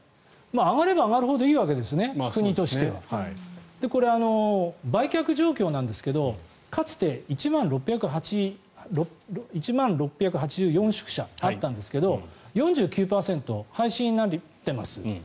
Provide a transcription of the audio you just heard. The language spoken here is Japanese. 上がれば上がるほどいいわけですね、国としては。これ、売却状況なんですがかつて１万６８４宿舎あったんですが４９％廃止になってます。